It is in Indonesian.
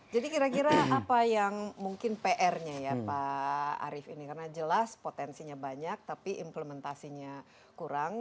jadi kira kira apa yang mungkin pr nya ya pak arief ini karena jelas potensinya banyak tapi implementasinya kurang